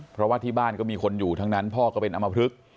เพราะว่าที่บ้านก็มีคนอยู่ทั้งนั้นพ่อก็เป็นอมพลึก